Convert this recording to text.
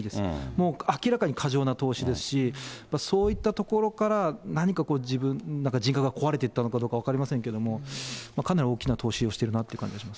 もう明らかに過剰な投資ですし、そういったところから、何か人格が壊れていったのかどうか分かりませんけれども、かなり大きな投資をしてるなって感じがします。